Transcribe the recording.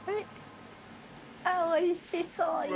おいしそう。